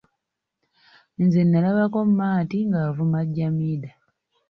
Nze nnalabako Maati ng’avuma Jamidah.